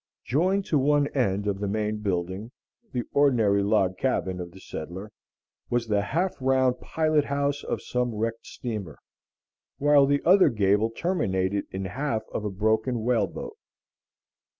Joined to one end of the main building the ordinary log cabin of the settler was the half round pilot house of some wrecked steamer, while the other gable terminated in half of a broken whale boat.